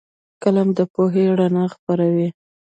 قلم د پوهې رڼا خپروي